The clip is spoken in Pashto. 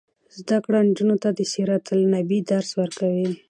زده کړه نجونو ته د سیرت النبي درس ورکوي.